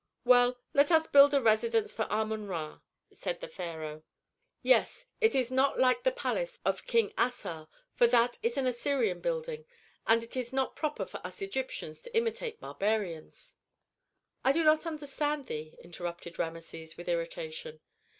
"Well, let us build a residence for Amon Ra," said the pharaoh. "Yes, if it is not like the palace of King Assar, for that is an Assyrian building, and it is not proper for us Egyptians to imitate barbarians." "I do not understand thee," interrupted Rameses, with irritation.